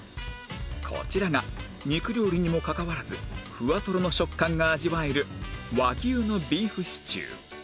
こちらが肉料理にもかかわらずふわトロの食感が味わえる和牛のビーフシチュー